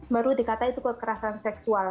baru dikatakan itu kekerasan seksual